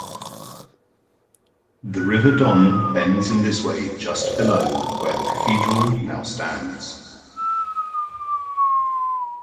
The River Don bends in this way just below where the Cathedral now stands.